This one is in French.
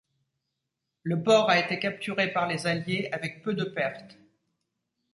Le port a été capturé par les Alliés avec peu de pertes.